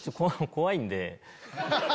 怖いんで。